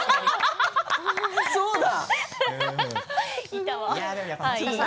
そうだ。